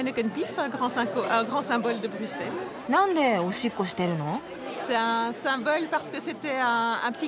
なんでおしっこしてるの？